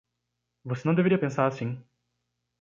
Você não deveria pensar assim!